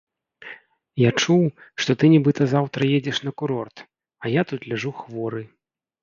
Я чуў, што ты нібыта заўтра едзеш на курорт, а я тут ляжу хворы.